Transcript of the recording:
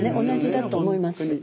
同じだと思います。